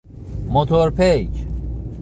موتورپیک